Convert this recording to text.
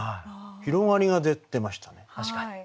広がりが出てましたね。